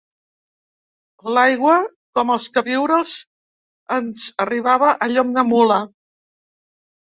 L'aigua, com els queviures, ens arribava, a llom de mula